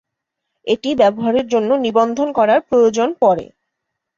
এটি ব্যবহারের জন্য নিবন্ধন করার প্রয়োজন পড়ে।